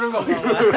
アハハハ。